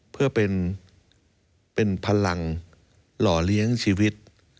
เพื่อเป็นพลังหล่อเลี้ยงชีวิต